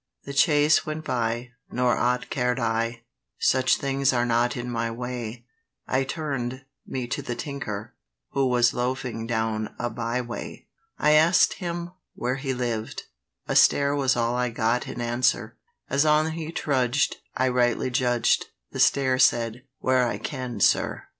The chaise went by, nor aught cared I; Such things are not in my way: I turn'd me to the tinker, who Was loafing down a by way: I ask'd him where he lived—a stare Was all I got in answer, As on he trudged: I rightly judged The stare said, "Where I can, sir."